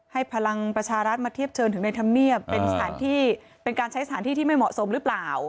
พลังประชารัฐมาเทียบเชิญถึงในธรรมเนียบเป็นสถานที่เป็นการใช้สถานที่ที่ไม่เหมาะสมหรือเปล่า